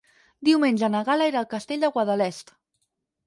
Diumenge na Gal·la irà al Castell de Guadalest.